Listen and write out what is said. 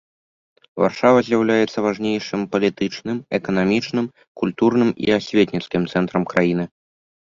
Варшава з'яўляецца важнейшым палітычным, эканамічным, культурным і асветніцкім цэнтрам краіны.